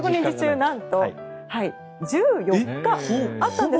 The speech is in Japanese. なんと１４日あったんです。